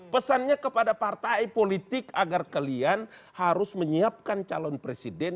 pesannya kepada partai politik agar kalian harus menyiapkan calon presiden